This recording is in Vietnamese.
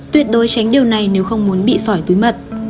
tuyệt đối tránh điều này nếu không muốn bị sỏi túi mật